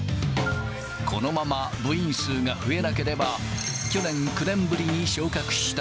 このまま部員数が増えなければ、去年、９年ぶりに昇格した